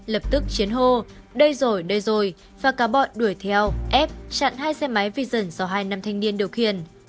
lập tức chiến hô đây rồi đây rồi và cả bọn đuổi theo ép chặn hai xe máy vision do hai nam thanh niên điều khiển